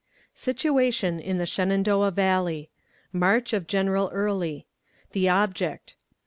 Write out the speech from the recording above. Situation in the Shenandoah Valley. March of General Early. The Object.